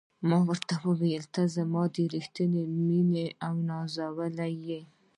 ما ورته وویل: ته زما ریښتینې مینه او نازولې یې.